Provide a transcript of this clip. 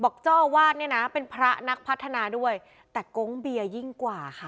เจ้าอาวาสเนี่ยนะเป็นพระนักพัฒนาด้วยแต่โก๊งเบียร์ยิ่งกว่าค่ะ